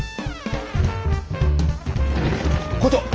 校長。